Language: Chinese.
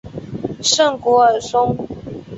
圣古尔松。